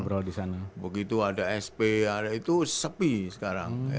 begitu ada sp itu sepi sekarang